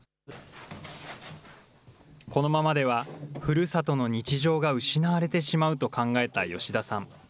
このままではふるさとの日常が失われてしまうと考えた吉田さん。